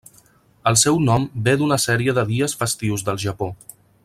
El seu nom ve d'una sèrie de dies festius del Japó.